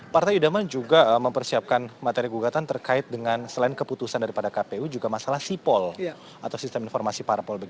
partai idaman juga mempersiapkan materi gugatan terkait dengan selain keputusan daripada kpu juga masalah sipol atau sistem informasi parpol